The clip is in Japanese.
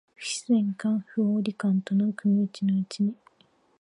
不自然感、不合理感との組打ちのうちに、